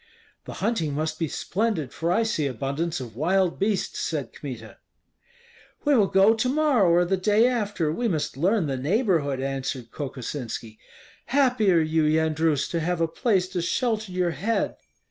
"The hunting must be splendid, for I see abundance of wild beasts," said Kmita. "We will go to morrow or the day after. We must learn the neighborhood," answered Kokosinski. "Happy are you, Yendrus, to have a place to shelter your head!"